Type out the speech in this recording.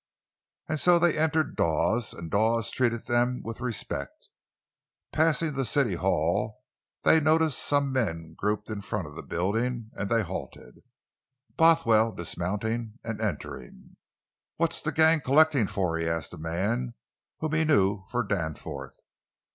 And so they entered Dawes, and Dawes treated them with respect. Passing the city hall, they noticed some men grouped in front of the building, and they halted, Bothwell dismounting and entering. "What's the gang collectin' for?" he asked a man—whom he knew for Danforth.